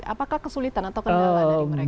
apakah kesulitan atau kendala dari mereka